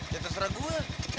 ya terserah gue